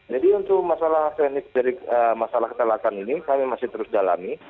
jadi untuk masalah klinik dari masalah kecelakaan ini kami masih terus jalani